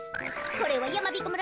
これはやまびこ村